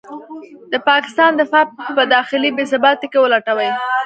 د پاکستان دفاع په داخلي بې ثباتۍ کې ولټوي.